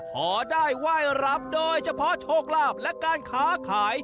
ขอได้ว่ายรับโดยเฉพาะโชคลาภและการขาข่าย